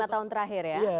lima tahun terakhir ya